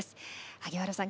萩原さん